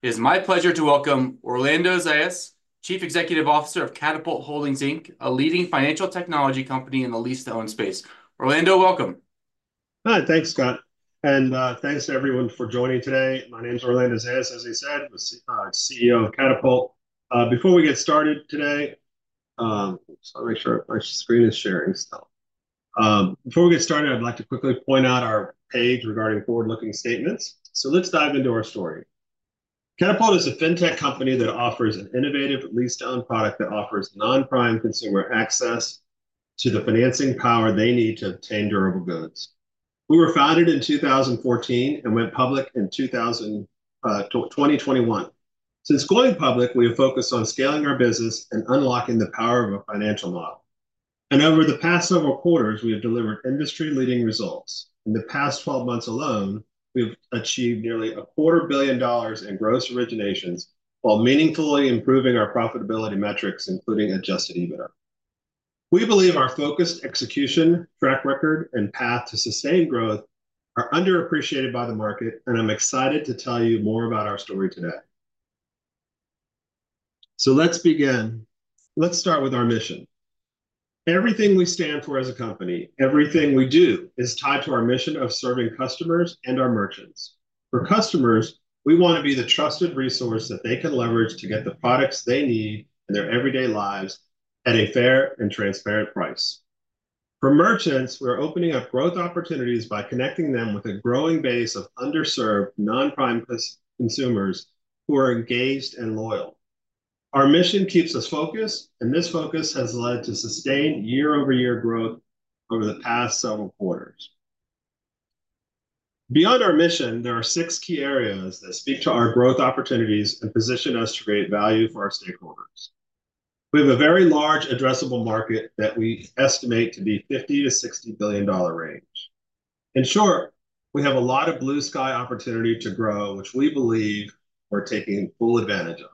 It is my pleasure to welcome Orlando Zayas, Chief Executive Officer of Katapult Holdings, Inc., a leading financial technology company in the lease-to-own space. Orlando, welcome. Hi, thanks, Scott, and thanks to everyone for joining today. My name is Orlando Zayas, as he said, the CEO of Katapult. Before we get started today, just wanna make sure my screen is sharing still. Before we get started, I'd like to quickly point out our page regarding forward-looking statements. So let's dive into our story. Katapult is a fintech company that offers an innovative lease-to-own product that offers non-prime consumer access to the financing power they need to obtain durable goods. We were founded in 2014 and went public in 2021. Since going public, we have focused on scaling our business and unlocking the power of a financial model, and over the past several quarters, we have delivered industry-leading results. In the past 12 months alone, we've achieved nearly $250 million in gross originations while meaningfully improving our profitability metrics, including Adjusted EBITDA. We believe our focused execution, track record, and path to sustained growth are underappreciated by the market, and I'm excited to tell you more about our story today. So let's begin. Let's start with our mission. Everything we stand for as a company, everything we do, is tied to our mission of serving customers and our merchants. For customers, we want to be the trusted resource that they can leverage to get the products they need in their everyday lives at a fair and transparent price. For merchants, we're opening up growth opportunities by connecting them with a growing base of underserved, non-prime consumers who are engaged and loyal. Our mission keeps us focused, and this focus has led to sustained year-over-year growth over the past several quarters. Beyond our mission, there are six key areas that speak to our growth opportunities and position us to create value for our stakeholders. We have a very large addressable market that we estimate to be $50 billion-$60 billion. In short, we have a lot of blue-sky opportunity to grow, which we believe we're taking full advantage of.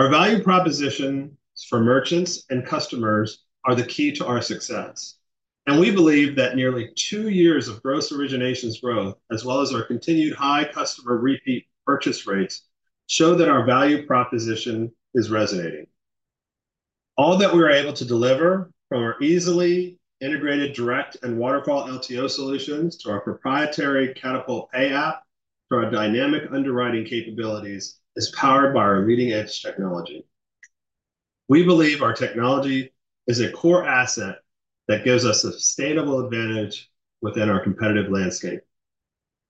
Our value propositions for merchants and customers are the key to our success, and we believe that nearly two years of gross originations growth, as well as our continued high customer repeat purchase rates, show that our value proposition is resonating. All that we are able to deliver, from our easily integrated direct and waterfall LTO solutions to our proprietary Katapult Pay app, to our dynamic underwriting capabilities, is powered by our leading-edge technology. We believe our technology is a core asset that gives us a sustainable advantage within our competitive landscape.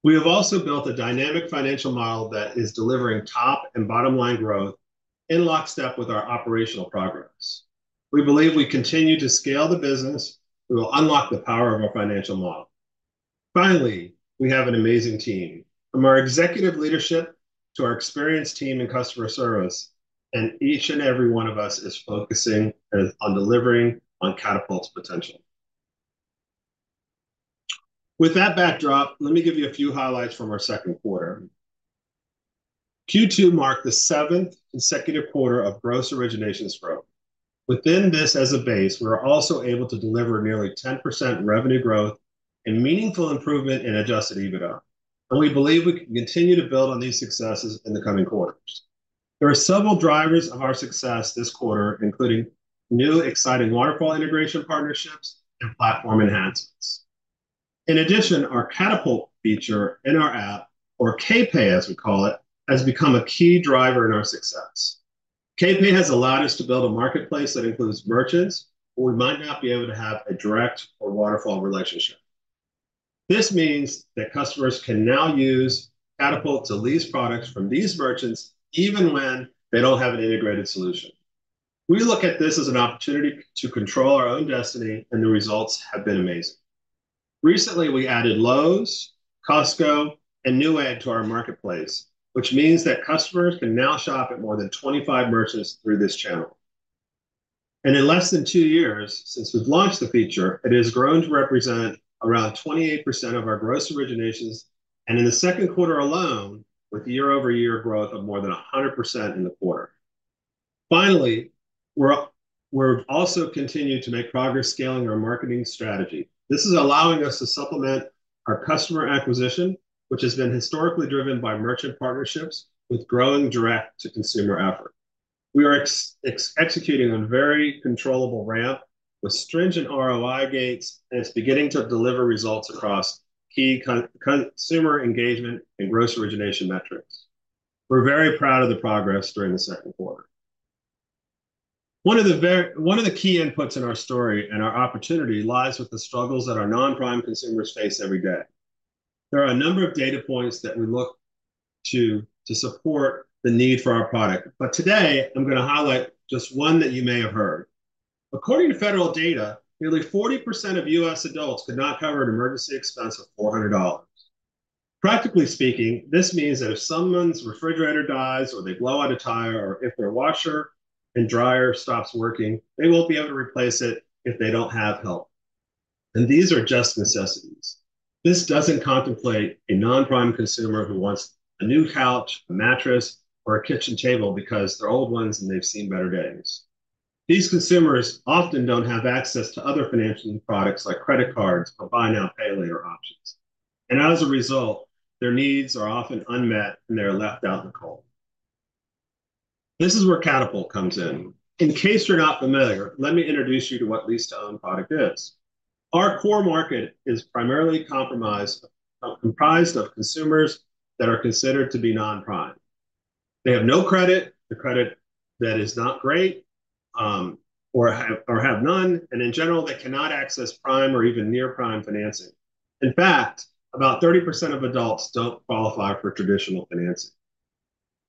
We have also built a dynamic financial model that is delivering top and bottom-line growth in lockstep with our operational progress. We believe we continue to scale the business, we will unlock the power of our financial model. Finally, we have an amazing team, from our executive leadership to our experienced team in customer service, and each and every one of us is focusing on delivering on Katapult's potential. With that backdrop, let me give you a few highlights from our second quarter. Q2 marked the 7th consecutive quarter of gross originations growth. Within this as a base, we were also able to deliver nearly 10% revenue growth and meaningful improvement in Adjusted EBITDA, and we believe we can continue to build on these successes in the coming quarters. There are several drivers of our success this quarter, including new, exciting waterfall integration partnerships and platform enhancements. In addition, our Katapult feature in our app, or KPay, as we call it, has become a key driver in our success. KPay has allowed us to build a marketplace that includes merchants where we might not be able to have a direct or waterfall relationship. This means that customers can now use Katapult to lease products from these merchants, even when they don't have an integrated solution. We look at this as an opportunity to control our own destiny, and the results have been amazing. Recently, we added Lowe's, Costco, and Newegg to our marketplace, which means that customers can now shop at more than 25 merchants through this channel. And in less than two years since we've launched the feature, it has grown to represent around 28% of our gross originations, and in the second quarter alone, with year-over-year growth of more than 100% in the quarter. Finally, we've also continued to make progress scaling our marketing strategy. This is allowing us to supplement our customer acquisition, which has been historically driven by merchant partnerships, with growing direct-to-consumer effort. We are executing on a very controllable ramp with stringent ROI gates, and it's beginning to deliver results across key consumer engagement and gross origination metrics. We're very proud of the progress during the second quarter. One of the key inputs in our story and our opportunity lies with the struggles that our non-prime consumers face every day. There are a number of data points that we look to, to support the need for our product, but today I'm gonna highlight just one that you may have heard. According to federal data, nearly 40% of U.S. adults could not cover an emergency expense of $400. Practically speaking, this means that if someone's refrigerator dies or they blow out a tire, or if their washer and dryer stops working, they won't be able to replace it if they don't have help, and these are just necessities. This doesn't contemplate a non-prime consumer who wants a new couch, a mattress, or a kitchen table because their old ones and they've seen better days. These consumers often don't have access to other financial products, like credit cards or buy now, pay later options, and as a result, their needs are often unmet, and they're left out in the cold. This is where Katapult comes in. In case you're not familiar, let me introduce you to what lease-to-own product is. Our core market is primarily comprised of consumers that are considered to be non-prime. They have no credit, or credit that is not great, or have none, and in general, they cannot access prime or even near-prime financing. In fact, about 30% of adults don't qualify for traditional financing.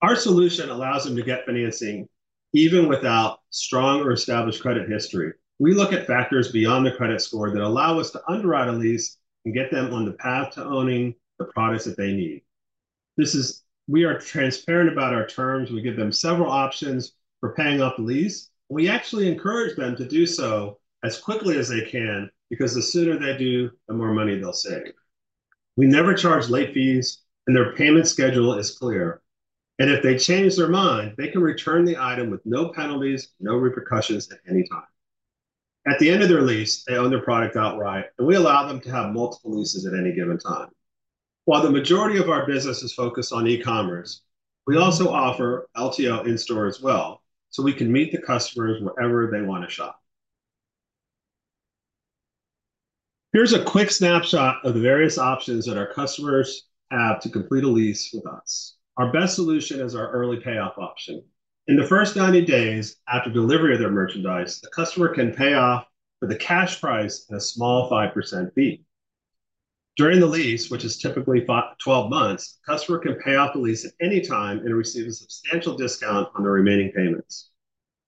Our solution allows them to get financing even without strong or established credit history. We look at factors beyond the credit score that allow us to underwrite a lease and get them on the path to owning the products that they need. We are transparent about our terms. We give them several options for paying off the lease. We actually encourage them to do so as quickly as they can because the sooner they do, the more money they'll save. We never charge late fees, and their payment schedule is clear, and if they change their mind, they can return the item with no penalties, no repercussions at any time. At the end of their lease, they own their product outright, and we allow them to have multiple leases at any given time. While the majority of our business is focused on e-commerce, we also offer LTO in-store as well, so we can meet the customers wherever they wanna shop. Here's a quick snapshot of the various options that our customers have to complete a lease with us. Our best solution is our early payoff option. In the first 90 days after delivery of their merchandise, the customer can pay off for the cash price and a small 5% fee. During the lease, which is typically 12 months, the customer can pay off the lease at any time and receive a substantial discount on the remaining payments.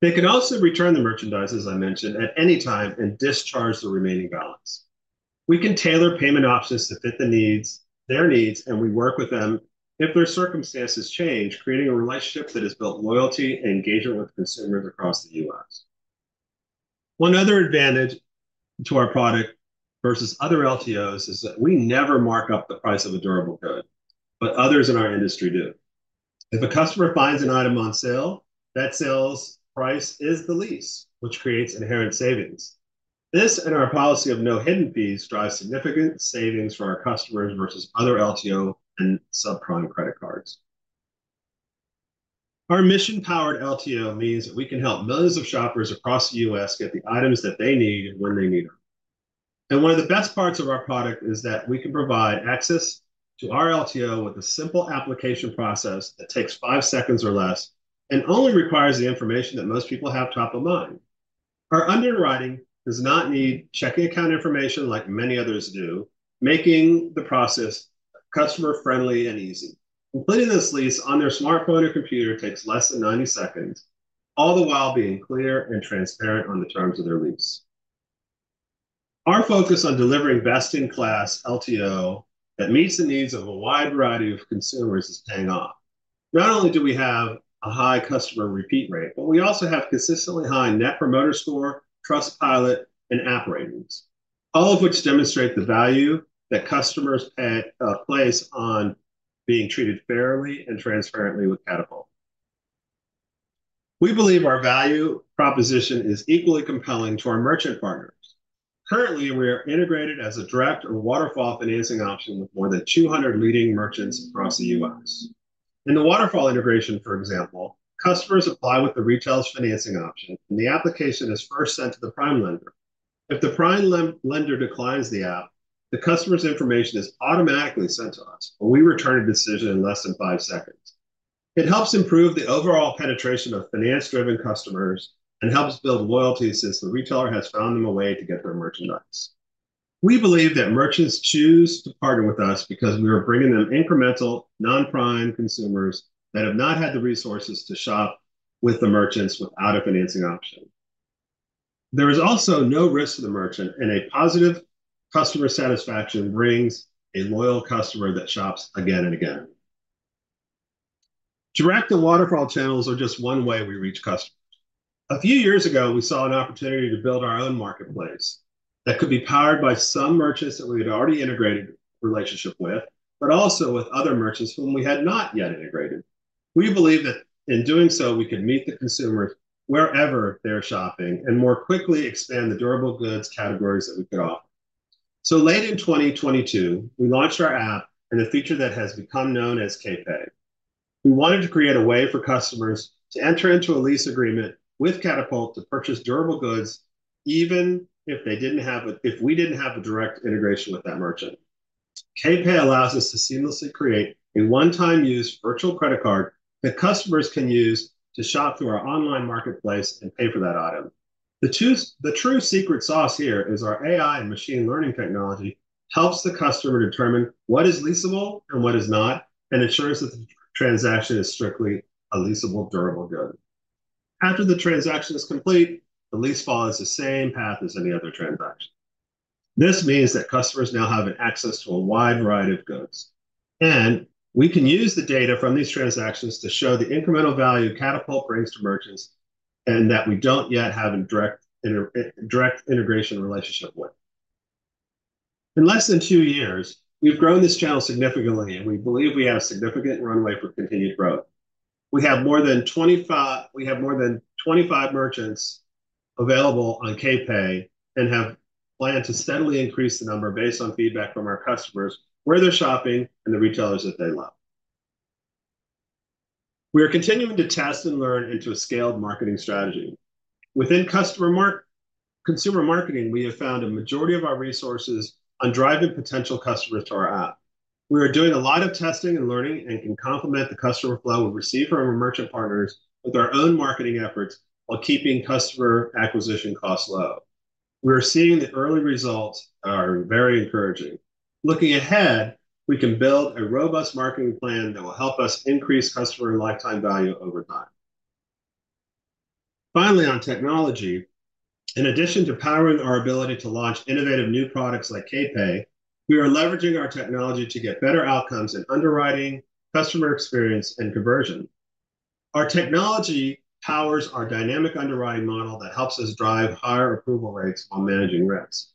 They can also return the merchandise, as I mentioned, at any time and discharge the remaining balance. We can tailor payment options to fit the needs, their needs, and we work with them if their circumstances change, creating a relationship that has built loyalty and engagement with consumers across the U.S. One other advantage to our product versus other LTOs is that we never mark up the price of a durable good, but others in our industry do. If a customer finds an item on sale, that sale price is the lease, which creates inherent savings. This, and our policy of no hidden fees, drives significant savings for our customers versus other LTO and subprime credit cards. Our mission-powered LTO means that we can help millions of shoppers across the U.S. get the items that they need when they need them, and one of the best parts of our product is that we can provide access to our LTO with a simple application process that takes five seconds or less and only requires the information that most people have top of mind. Our underwriting does not need checking account information, like many others do, making the process customer-friendly and easy. Completing this lease on their smartphone or computer takes less than ninety seconds, all the while being clear and transparent on the terms of their lease. Our focus on delivering best-in-class LTO that meets the needs of a wide variety of consumers is paying off. Not only do we have a high customer repeat rate, but we also have consistently high Net Promoter Score, Trustpilot, and app ratings, all of which demonstrate the value that customers place on being treated fairly and transparently with Katapult. We believe our value proposition is equally compelling to our merchant partners. Currently, we are integrated as a direct or waterfall financing option with more than 200 leading merchants across the U.S. In the waterfall integration, for example, customers apply with the retailer's financing option, and the application is first sent to the prime lender. If the prime lender declines the app, the customer's information is automatically sent to us, and we return a decision in less than five seconds. It helps improve the overall penetration of finance-driven customers and helps build loyalty, since the retailer has found them a way to get their merchandise. We believe that merchants choose to partner with us because we are bringing them incremental, non-prime consumers that have not had the resources to shop with the merchants without a financing option. There is also no risk to the merchant, and a positive customer satisfaction brings a loyal customer that shops again and again. Direct and waterfall channels are just one way we reach customers. A few years ago, we saw an opportunity to build our own marketplace that could be powered by some merchants that we had already integrated relationship with, but also with other merchants whom we had not yet integrated. We believe that in doing so, we could meet the consumers wherever they're shopping and more quickly expand the durable goods categories that we could offer. So late in 2022, we launched our app and a feature that has become known as KPay. We wanted to create a way for customers to enter into a lease agreement with Katapult to purchase durable goods, even if we didn't have a direct integration with that merchant. KPay allows us to seamlessly create a one-time use virtual credit card that customers can use to shop through our online marketplace and pay for that item. The true secret sauce here is our AI and machine learning technology helps the customer determine what is leasable and what is not, and ensures that the transaction is strictly a leasable durable good. After the transaction is complete, the lease follows the same path as any other transaction. This means that customers now have an access to a wide variety of goods, and we can use the data from these transactions to show the incremental value Katapult brings to merchants, and that we don't yet have a direct integration relationship with. In less than two years, we've grown this channel significantly, and we believe we have significant runway for continued growth. We have more than 25 merchants available on KPay, and have planned to steadily increase the number based on feedback from our customers, where they're shopping, and the retailers that they love. We are continuing to test and learn into a scaled marketing strategy. Within consumer marketing, we have found a majority of our resources on driving potential customers to our app. We are doing a lot of testing and learning, and can complement the customer flow we receive from our merchant partners with our own marketing efforts, while keeping customer acquisition costs low. We are seeing the early results are very encouraging. Looking ahead, we can build a robust marketing plan that will help us increase customer lifetime value over time. Finally, on technology, in addition to powering our ability to launch innovative new products like KPay, we are leveraging our technology to get better outcomes in underwriting, customer experience, and conversion. Our technology powers our dynamic underwriting model that helps us drive higher approval rates while managing risk.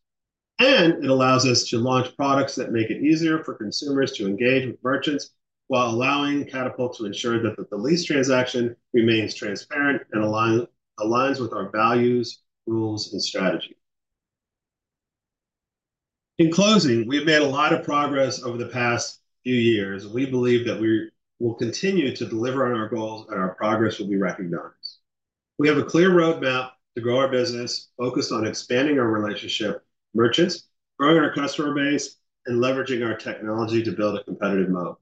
And it allows us to launch products that make it easier for consumers to engage with merchants, while allowing Katapult to ensure that the lease transaction remains transparent and aligns with our values, rules, and strategy. In closing, we've made a lot of progress over the past few years, and we believe that we will continue to deliver on our goals and our progress will be recognized. We have a clear roadmap to grow our business, focused on expanding our relationship with merchants, growing our customer base, and leveraging our technology to build a competitive moat.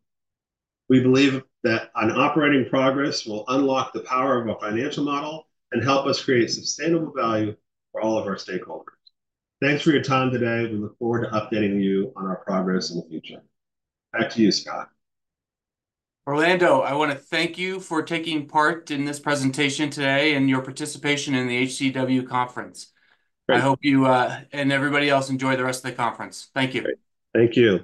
We believe that our operating progress will unlock the power of our financial model and help us create sustainable value for all of our stakeholders. Thanks for your time today. We look forward to updating you on our progress in the future. Back to you, Scott. Orlando, I wanna thank you for taking part in this presentation today and your participation in the HCW conference. I hope you and everybody else enjoy the rest of the conference. Thank you. Thank you.